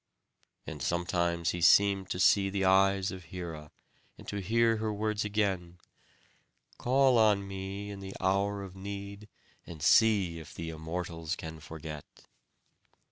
And sometimes he seemed to see the eyes of Hera, and to hear her words again, "Call on me in the hour of need, and see if the Immortals can forget."